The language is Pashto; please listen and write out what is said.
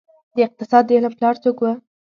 د اقتصاد د علم پلار څوک وه؟